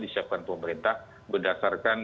disiapkan pemerintah berdasarkan